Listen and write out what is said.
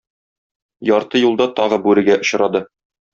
Ярты юлда тагы бүрегә очрады.